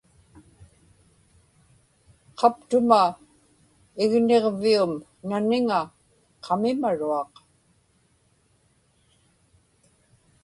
qaptuma igniġvium naniŋa qamimaruaq